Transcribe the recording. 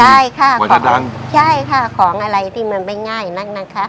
ใช่ค่ะมันจะดังใช่ค่ะของอะไรที่มันไม่ง่ายนักนะคะ